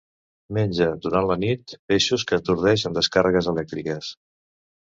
Menja, durant la nit, peixos que atordeix amb descàrregues elèctriques.